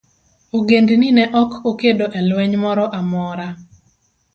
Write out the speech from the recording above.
Ogendni ne ok okedo e lweny moro amora.